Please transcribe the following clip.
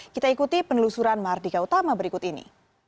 kita ikuti penelusuran mardika utama berikut ini